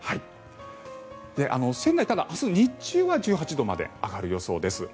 仙台、ただ、明日の日中は１８度まで上がる予報です。